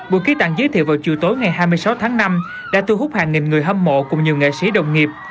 buổi ký tặng giới thiệu vào chiều tối ngày hai mươi sáu tháng năm đã thu hút hàng nghìn người hâm mộ cùng nhiều nghệ sĩ đồng nghiệp